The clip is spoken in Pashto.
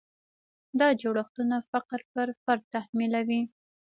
دا جوړښتونه فقر پر فرد تحمیلوي.